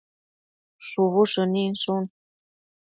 shubu shëninshun